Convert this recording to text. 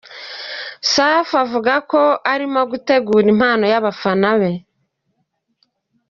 Safi avuga ko ari gutegura impano y’abafana be.